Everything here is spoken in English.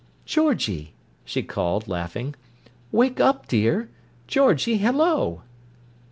"Georgie!" she called, laughing. "Wake up, dear! Georgie, hello!"